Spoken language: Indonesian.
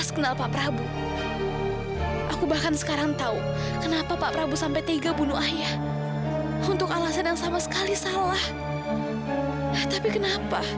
seharusnya aku sangat benci sama dia